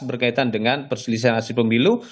berkaitan dengan perselisihan hasil pemilu